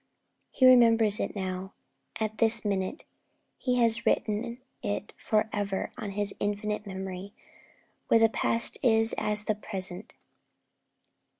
He remembers it now, at this minute. He has written it for ever on His infinite memory, where the past is as the present.